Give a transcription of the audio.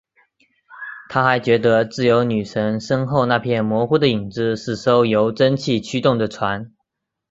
他还觉得自由女神身后那片模糊的影子是艘由蒸汽驱动的船。